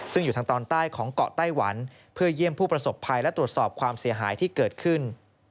ซึ่งอยู่ทางตอนใต้ของเกาะไต้หวันเพื่อเยี่ยมผู้ประสบภัยและตรวจสอบความเสียหายที่เกิดขึ้น